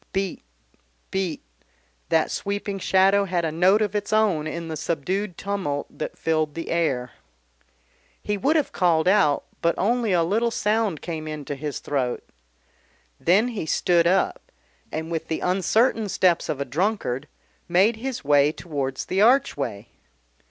"Beat, beat," that sweeping shadow had a note of its own in the subdued tumult that filled the air. He would have called out, but only a little sound came into his throat. Then he stood up, and, with the uncertain steps of a drunkard, made his way towards the archway.